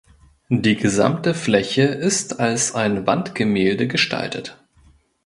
Die gesamte Fläche ist als ein Wandgemälde gestaltet.